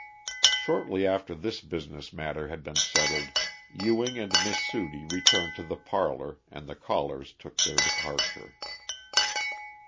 Shortly after this business matter had been settled, Ewing and Miss Sudie returned to the parlor and the callers took their departure.